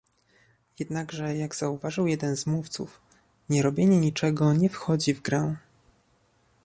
Jednakże, jak zauważył jeden z mówców, nierobienie niczego nie wchodzi w grę